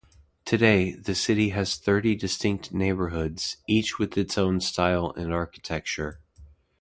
Today, the city has thirty distinct neighborhoods, each with its own style and architecture.